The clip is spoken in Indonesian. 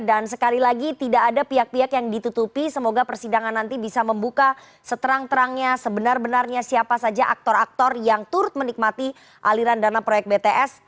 dan sekali lagi tidak ada pihak pihak yang ditutupi semoga persidangan nanti bisa membuka seterang terangnya sebenar benarnya siapa saja aktor aktor yang turut menikmati aliran dana proyek bts